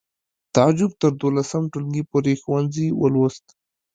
تعجب تر دولسم ټولګي پورې ښوونځی ولوست